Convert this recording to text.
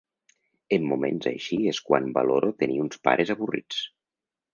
En moments així és quan valoro tenir uns pares avorrits.